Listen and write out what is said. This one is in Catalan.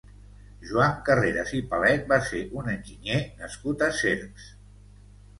Joan Carreres i Palet va ser un enginyer nascut a Cercs.